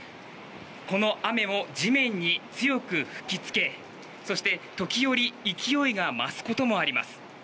この雨も地面に強く吹きつけそして、時折勢いが増すこともあります。